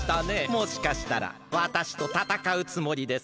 もしかしたらわたしとたたかうつもりですか？